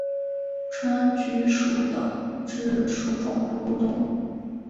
川鼩属等之数种哺乳动物。